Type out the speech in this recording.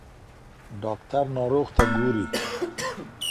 ډاکټر ناروغ ته ګوري.